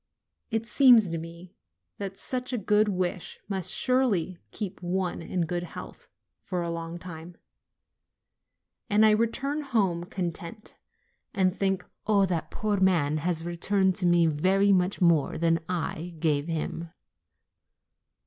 It seems to me that such a good wish must surely keep one in good health for a long time; and I return home content, and think, "Oh, that poor man has returned to me very much more than I gave him